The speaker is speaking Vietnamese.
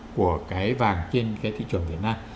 của cái vàng trên cái thị trường việt nam